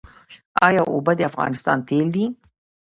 آیا اوبه د افغانستان تیل دي؟